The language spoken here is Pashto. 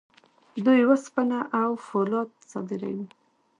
دوی وسپنه او فولاد صادروي.